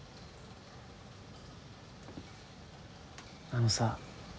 あのさ。